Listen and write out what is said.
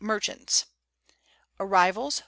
merchants : Arrivals.